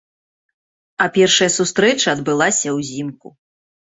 А першая сустрэча адбылася ўзімку.